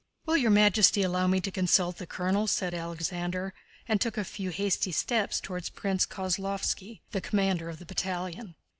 "Will Your Majesty allow me to consult the colonel?" said Alexander and took a few hasty steps toward Prince Kozlóvski, the commander of the battalion.